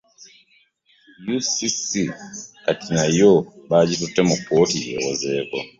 UCC Kati nayo bagitutte mu kkooti yeewozeeko.